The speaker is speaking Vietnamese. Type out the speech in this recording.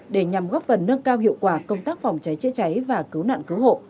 để nhằm góp phần nước cao hiệu quả công tác phòng cháy chế cháy và cứu nạn cứu hộ